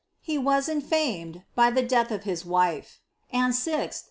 He was infamed, by the death of his wife ; and, 6th.